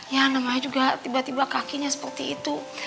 ya namanya juga tiba tiba kakinya seperti itu